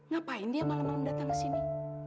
ngapain dia malam malam datang ke sini